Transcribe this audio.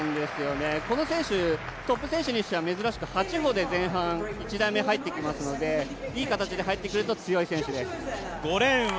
この選手、トップ選手にしては珍しく８歩で前半、１台目入ってきますのでいい形で入ってくると強い選手です。